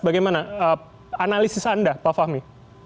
bagaimana analisis anda pak fahmi